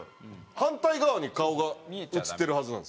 反対側に顔が写ってるはずなんです。